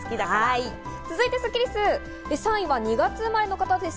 続いてスッキりす。